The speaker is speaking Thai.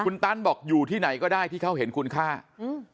คุณตันบอกอยู่ที่ไหนก็ได้ที่เขาเห็นคุณค่าอืม